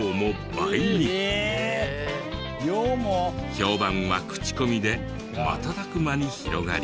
評判は口コミで瞬く間に広がり。